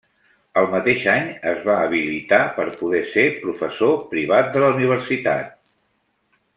El mateix any es va habilitar per poder ser professor privat de la universitat.